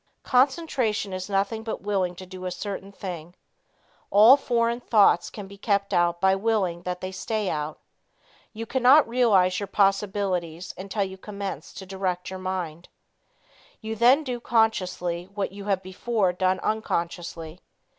Concentration is nothing but willing to do a certain thing. All foreign thoughts can be kept out by willing that they stay out. You cannot realize your possibilities until you commence to direct your mind. You then do consciously what you have before done unconsciously.